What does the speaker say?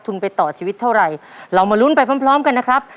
ทุนไปต่อชีวิตเท่าไรเรามาลุ้นไปพร้อมกันนะครับ